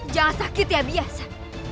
jangan sakit ya biasa